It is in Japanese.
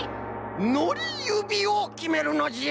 のりゆびをきめるのじゃ！